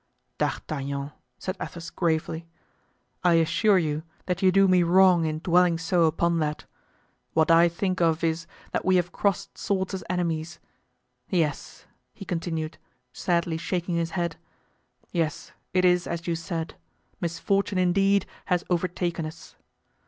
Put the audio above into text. "D'Artagnan," said Athos, gravely, "I assure you that you do me wrong in dwelling so upon that. What I think of is, that we have crossed swords as enemies. Yes," he continued, sadly shaking his head, "Yes, it is as you said, misfortune, indeed, has overtaken us.